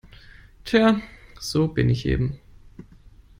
Tja, so bin ich eben.